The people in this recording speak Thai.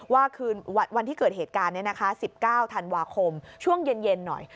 ว่าคืนวันที่เกิดเหตุการณ์นี้นะคะ๑๙ธันวาคมช่วงเย็นหน่อย